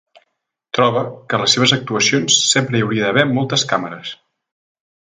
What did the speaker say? Troba que a les seves actuacions sempre hi hauria d'haver moltes càmeres.